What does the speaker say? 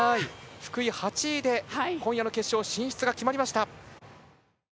福井、８位で今夜の決勝進出が決まりました。